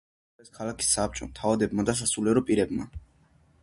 მის მოწოდებას მხარი დაუჭირეს ქალაქის საბჭომ, თავადებმა და სასულიერო პირებმა.